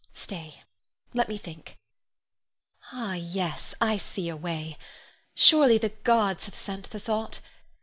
Stay! let me think. Ah, yes; I see a way. Surely the gods have sent the thought!